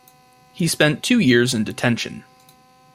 He spent two years in detention.